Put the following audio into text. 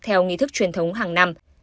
theo nghị thức truyền thống hàng năm